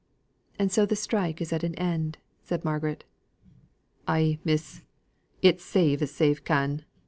"And so the strike is at an end," said Margaret. "Ay, miss. It's save as save can.